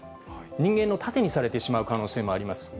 人間の盾にされてしまう可能性もあります。